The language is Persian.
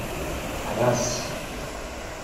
طبس